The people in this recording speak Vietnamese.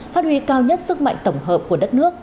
phát huy cao nhất sức mạnh tổng hợp của đất nước